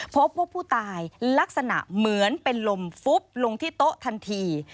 พบว่าผู้ตายลักษณะเหมือนเป็นลมฟุบลงที่โต๊ะทันที